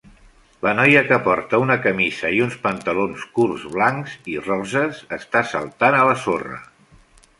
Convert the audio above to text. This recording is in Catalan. La noia que porta una camisa i uns pantalons curts blancs i roses està saltant a la sorra.